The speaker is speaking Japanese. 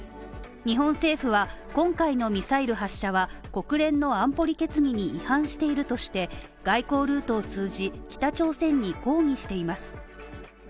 日本政府は今回のミサイル発射は国連の安保理決議に違反しているとして、外交ルートを通じ北朝鮮に抗議しています。